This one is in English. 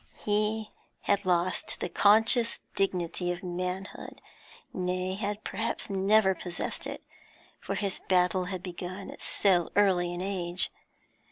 He had lost the conscious dignity of manhood; nay, had perhaps never possessed it, for his battle had begun at so early an age.